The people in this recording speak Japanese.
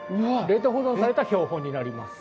冷凍保存された標本になります。